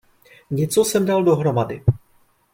Něco jsem dal dohromady.